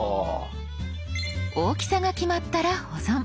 大きさが決まったら保存。